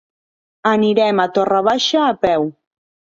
Anirem a Torre Baixa a peu.